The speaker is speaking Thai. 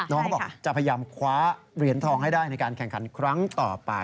เขาบอกจะพยายามคว้าเหรียญทองให้ได้ในการแข่งขันครั้งต่อไป